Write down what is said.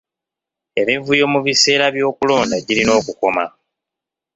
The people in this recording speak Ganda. Emivuyo mu biseera by'okulonda girina okukoma.